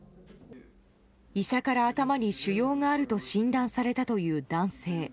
医者から頭に腫瘍があると診断されたという男性。